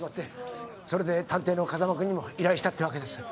それで探偵の風真君にも依頼したってわけです。